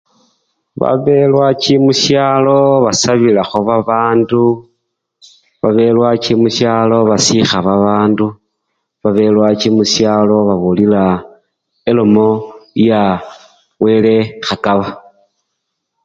Babelwachi mushalo basabilaho babandu, babelwachi mushalo basiha babandu, babelwachi mushalo babulila elomo yaa-wele hakaba